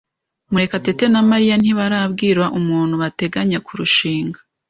Murekatete na Mariya ntibarabwira umuntu bateganya kurushinga.